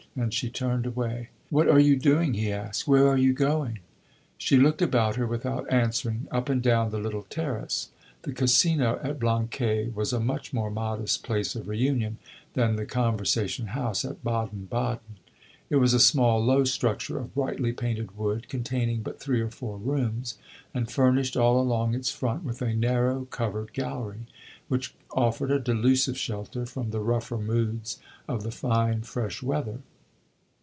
And she turned away. "What are you doing?" he asked. "Where are you going?" She looked about her, without answering, up and down the little terrace. The Casino at Blanquais was a much more modest place of reunion than the Conversation house at Baden Baden. It was a small, low structure of brightly painted wood, containing but three or four rooms, and furnished all along its front with a narrow covered gallery, which offered a delusive shelter from the rougher moods of the fine, fresh weather.